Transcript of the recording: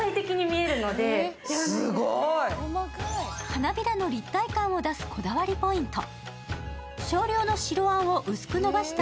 花びらの立体感を出すこだわりポイント。